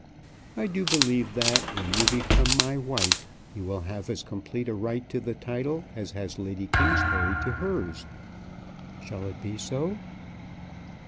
I do believe that when you become my wife, you will have as complete a right to the title as has Lady Kingsbury to hers. Shall it be so?"